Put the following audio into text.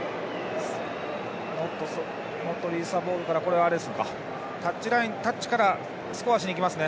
ノットリリースザボールからタッチからスコアしにきますね。